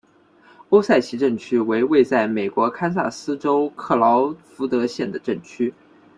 欧塞奇镇区为位在美国堪萨斯州克劳福德县的镇区。